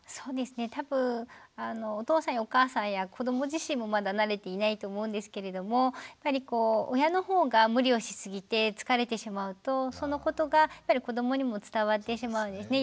多分お父さんやお母さんや子ども自身もまだ慣れていないと思うんですけれどもやはりこう親の方が無理をしすぎて疲れてしまうとそのことがやっぱり子どもにも伝わってしまうんですね。